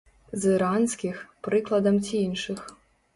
З іранскіх, прыкладам ці іншых.